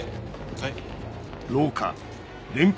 はい。